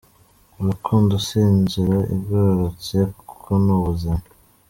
Urukundo si inzira igororotse kuko n’ubuzima.